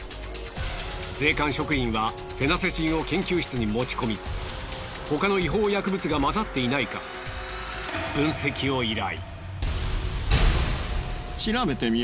税関職員はフェナセチンを研究室に持ち込み他の違法薬物が混ざっていないか分析を依頼。